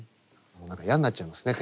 もう何かやんなっちゃいますね。